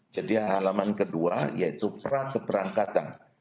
jadi halaman kedua yaitu pra keberangkatan